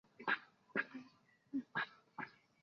毛药花为唇形科毛药花属下的一个种。